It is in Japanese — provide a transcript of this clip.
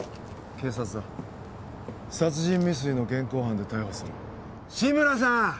警察だ殺人未遂の現行犯で逮捕する志村さん！